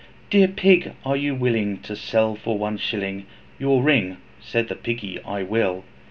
'Dear Pig, are you willing, to sell for one shilling Your ring?' Said the Piggy, 'I will.'